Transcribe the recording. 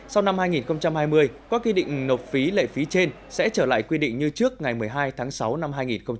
sau năm hai nghìn hai mươi có quy định nộp phí lệ phí trên sẽ trở lại quy định như trước ngày một mươi hai tháng sáu năm hai nghìn hai mươi